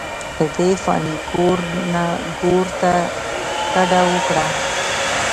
ددې فاني کور نه ګور ته کډه اوکړه،